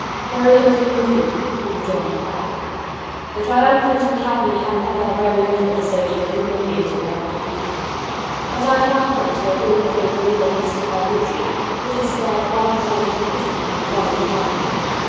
"Very little indeed," he rejoined quietly; "the triumphant and happy have ever very little to say to the humiliated and the defeated. But I had hoped that Lady Blakeney in the midst of her victory would have spared one thought of pity and one of pardon."